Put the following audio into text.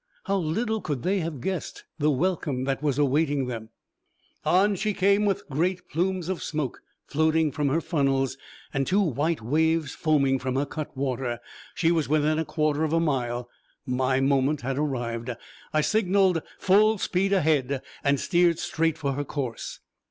How little could they have guessed the welcome that was awaiting them! On she came with the great plumes of smoke floating from her funnels, and two white waves foaming from her cut water. She was within a quarter of a mile. My moment had arrived. I signalled full speed ahead and steered straight for her course.